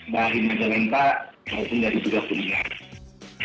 dari majalengka yaitu dari budapest